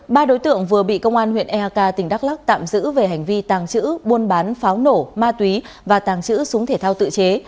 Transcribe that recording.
ba đối tượng vừa bị công an huyện eak tỉnh đắk lắc tạm giữ về hành vi tàng trữ buôn bán pháo nổ ma túy và tàng trữ súng thể thao tự chế